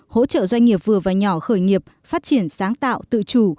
hỗ trợ doanh nghiệp vừa và nhỏ khởi nghiệp phát triển sáng tạo tự chủ